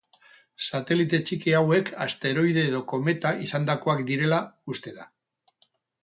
Satelite txiki hauek asteroide edo kometa izandakoak direla uste da.